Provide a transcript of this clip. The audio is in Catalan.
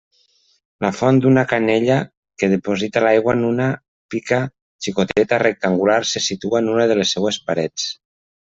La font d'una canella que deposita l'aigua en una pica xicoteta rectangular se situa en una de les seues parets.